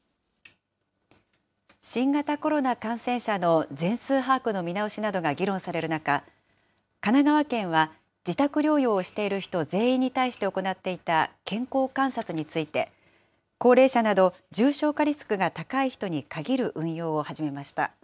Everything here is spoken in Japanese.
新型コロナ感染者の全数把握の見直しなどが議論される中、神奈川県は、自宅療養をしている人、全員に対して行っていた健康観察について、高齢者など、重症化リスクが高い人に限る運用を始めました。